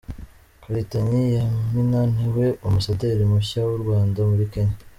Karitanyi Yamina ni we ambasaderi mushya w’u Rwanda muri Kenya